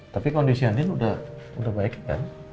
tapi kondisinya andin udah baik kan